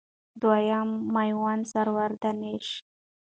دویم معاون سرور دانش